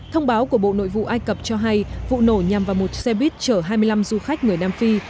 thông báo của bộ nội vụ ai cập cho hay vụ nổ nhằm vào một xe buýt chở hai mươi năm du khách người nam phi